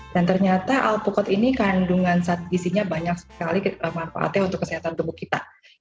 dan ternyata alpukat ini kandungan gizinya banyak sekali manfaatnya untuk kesehatan tubuh kita